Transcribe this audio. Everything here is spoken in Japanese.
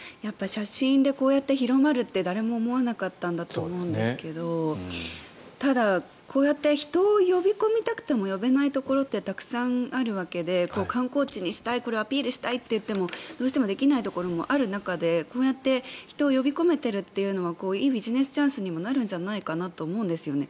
写真でこうやって広まるって誰も思わなかったんだと思いますけどただ、こうやって人を呼び込みたくても呼べないところってたくさんあるわけで観光地にしたい、これをアピールしたいっていってもどうしてもできないところもあるわけでこうやって人を呼び込めているということはいいビジネスチャンスにもなると思うんですね。